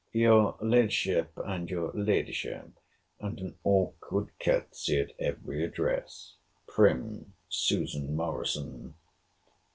Your La'ship, and your La'ship, and an awkward courtesy at every address—prim Susan Morrison.